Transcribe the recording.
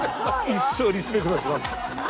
一生リスペクトします。